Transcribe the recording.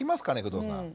工藤さん。